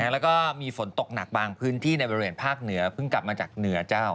แล้วก็มีฝนตกหนักบางพื้นที่ในบริเวณภาคเหนือเพิ่งกลับมาจากเหนือเจ้า